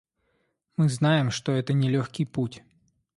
Мы знаем, что это не легкий путь.